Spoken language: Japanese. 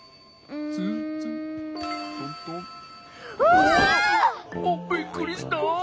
うわ！びっくりした。